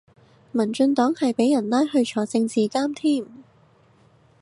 民進黨係俾人拉去坐政治監添